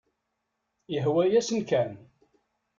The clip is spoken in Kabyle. Yehwa-yasen kan.